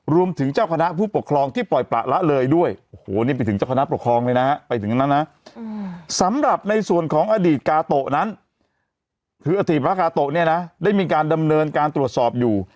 คืออธิบายพระกาโตะเนี่ยนะได้มีการดำเนินการตรวจสอบอยู่